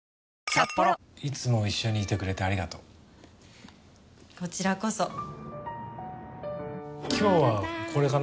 いつも一緒にいてくれてありがとうこちらこそ今日はこれかな